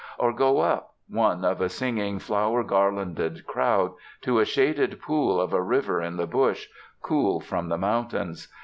Or go up, one of a singing flower garlanded crowd, to a shaded pool of a river in the bush, cool from the mountains.